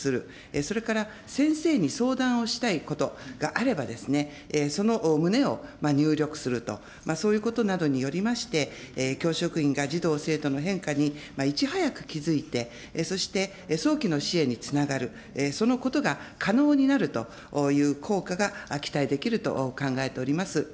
それから先生に相談をしたいことがあれば、その旨を入力すると、そういうことなどによりまして、教職員が児童・生徒の変化にいち早く気付いて、そして早期の支援につながる、そのことが可能になるという効果が期待できると考えております。